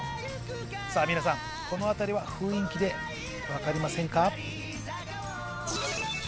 さぁ皆さんこの辺りは雰囲気で分かりませんか？